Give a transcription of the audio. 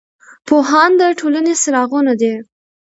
پوهان د ټولنې څراغونه دي.